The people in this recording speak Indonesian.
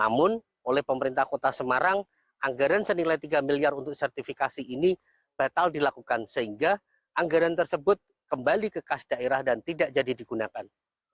namun oleh pemerintah kota semarang anggaran senilai tiga miliar untuk sertifikasi ini batal dilakukan sehingga anggaran tersebut kembali ke kas daerah dan tidak jadi digunakan